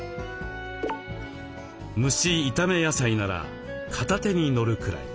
蒸し・炒め野菜なら片手にのるくらい。